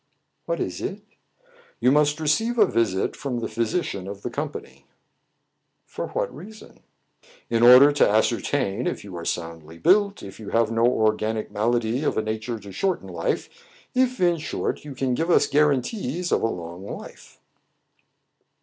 "What is it.?" "You must receive a visit from the physician of the company." " For what reason }"" In order to ascertain if you are soundly built, if you have no organic malady of a nature to shorten life, if, in shorty you can give us guaran ties of a long life."